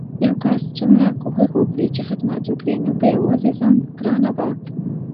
يو کس څومره کوښښ وکړي چې خدمت وکړي نو په يوازې ځان ګرانه ده